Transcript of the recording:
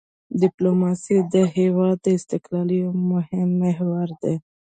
ډیپلوماسي د هېواد د استقلال یو مهم محور دی.